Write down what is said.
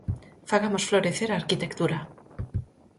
Fagamos florecer a arquitectura.